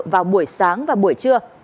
vào buổi sáng và buổi trưa